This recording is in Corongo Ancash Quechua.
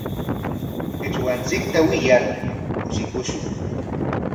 Qichwanchikta wiyar kushikushun.